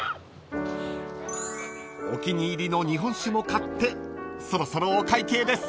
［お気に入りの日本酒も買ってそろそろお会計です］